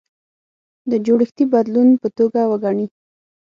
د جوړښتي بدلون په توګه وګڼي.